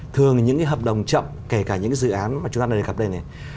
thường những hợp đồng chậm kể cả những dự án mà chúng ta đề cập đây này